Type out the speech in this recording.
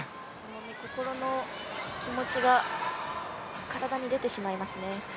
心の気持ちが体に出てしまいますね。